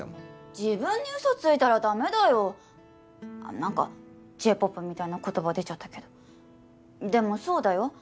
自分にウソついたらダメだよ何かＪ−ＰＯＰみたいな言葉出ちゃったけどでもそうだよ